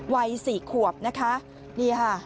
วัย๔ขวบนะคะ